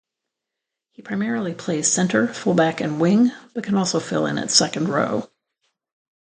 He primarily plays centre, fullback and wing, but can also fill in at second-row.